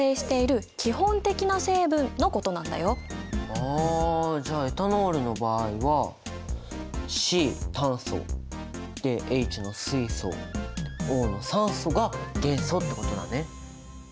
あじゃあエタノールの場合はＣ炭素でＨの水素Ｏの酸素が元素ってことだね。